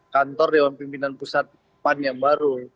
kantor dewan pimpinan pusat pan yang baru